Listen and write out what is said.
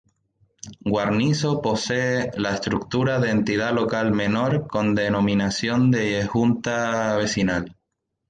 Guarnizo posee la estructura de Entidad Local Menor con denominación de Junta Vecinal.